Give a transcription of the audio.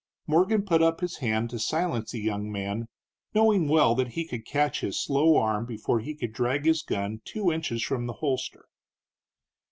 Morgan put up his hand to silence the young man, knowing well that he could catch his slow arm before he could drag his gun two inches from the holster.